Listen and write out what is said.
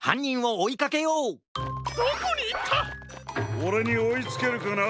オレにおいつけるかな？